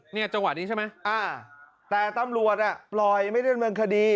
นี่จังหวะนี้ใช่ไหมแต่ตำรวจปล่อยไม่ได้เป็นเมืองคดี